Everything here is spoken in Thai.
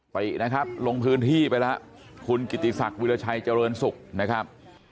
ตินะครับลงพื้นที่ไปแล้วคุณกิติศักดิ์วิราชัยเจริญสุขนะครับ